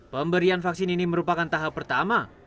pemberian vaksin ini merupakan tahap pertama